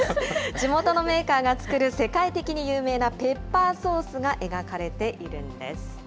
地元のメーカーが作る世界的に有名なペッパーソースが描かれているんです。